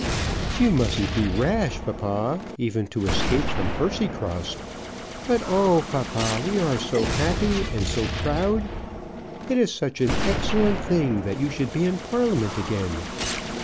"You mustn't be rash, papa, even to escape from Percycross. But, oh, papa; we are so happy and so proud. It is such an excellent thing that you should be in Parliament again."